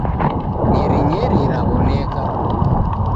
Nyeri nyeri rawoneka